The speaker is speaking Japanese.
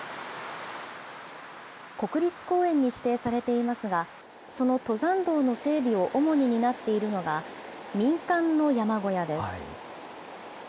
国立公園に指定されていますが、その登山道の整備を主に担っているのが、民間の山小屋です。